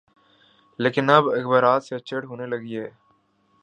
لیکن اب اخبارات سے چڑ ہونے لگی ہے۔